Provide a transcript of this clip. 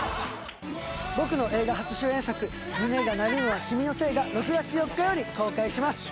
僕の映画初主演作『胸が鳴るのは君のせい』が６月４日より公開します。